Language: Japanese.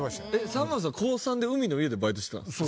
さまぁずさん高３で海の家でバイトしてたんですか？